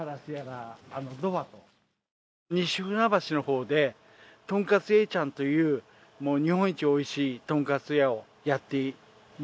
西船橋のほうでとんかつ栄ちゃんという日本一おいしいとんかつ屋をやってみえるご夫婦です。